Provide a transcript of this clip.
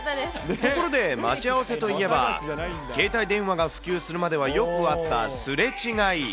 ところで、待ち合わせといえば、携帯電話が普及するまではよくあったすれ違い。